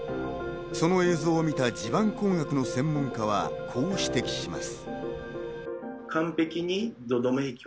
その映像を見た地盤工学の専門家は、こう指摘します。